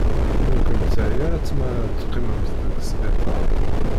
Ur kent-terri ara tmara ad teqqimemt deg sbiṭar.